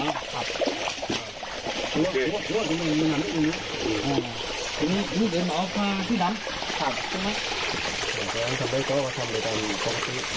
กลับมาดูพวกเรา